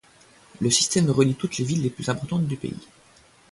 Le système relie toutes les villes les plus importantes du pays.